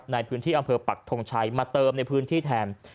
ในพื้นที่อำเภอปักทงชัยมาเติมในพื้นที่แทน